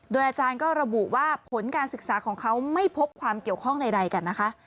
โดยอาจารย์ก็ระบุว่าผลการศึกษาของเขาไม่พบความเกี่ยวข้องใดกันนะคะ